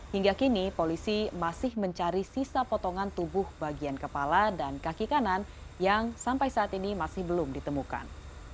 hingga kini polisi masih mencari sisa potongan tubuh bagian kepala dan kaki kanan yang sampai saat ini masih belum ditemukan